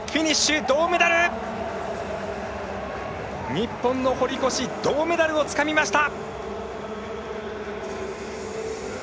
日本の堀越銅メダルをつかみました！